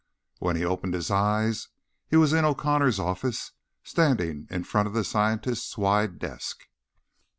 When he opened his eyes, he was in O'Connor's office, standing in front of the scientist's wide desk.